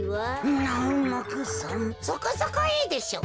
そこそこいいでしょう。